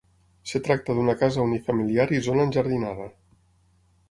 Es tracta d'una casa unifamiliar i zona enjardinada.